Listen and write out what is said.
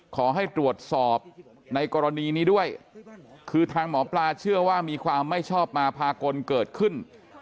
ขอให้ตรวจสอบในกรณีนี้ด้วยคือทางหมอปลาเชื่อว่ามีความไม่ชอบมาพากลเกิดขึ้น